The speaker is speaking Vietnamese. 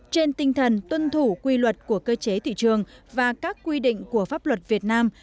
trên tinh thần tuân thủ quy luật của cơ chế thị trường và các quy định của pháp luật việt nam